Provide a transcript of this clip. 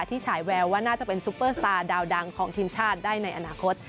ฉายแววว่าน่าจะเป็นซุปเปอร์สตาร์ดาวดังของทีมชาติได้ในอนาคต